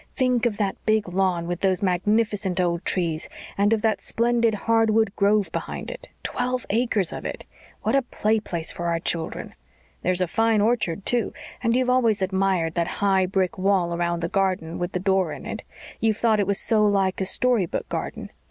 Think of that big lawn with those magnificent old trees; and of that splendid hardwood grove behind it twelve acres of it. What a play place for our children! There's a fine orchard, too, and you've always admired that high brick wall around the garden with the door in it you've thought it was so like a story book garden.